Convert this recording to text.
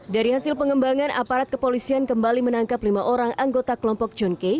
dari hasil pengembangan aparat kepolisian kembali menangkap lima orang anggota kelompok john kay